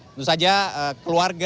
tentu saja keluarga